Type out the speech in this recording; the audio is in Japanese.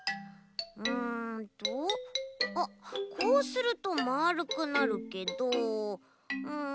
うんとあっこうするとまるくなるけどうん。